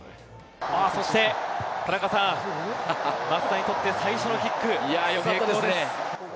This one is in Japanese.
そして田中さん、松田にとって最初のキック成功です！